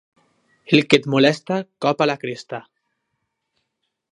El que et molesta, cop a la cresta.